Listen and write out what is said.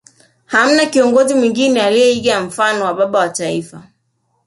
Hamna kiongozi mwengine aliyeiga mfano wa Baba wa Taifa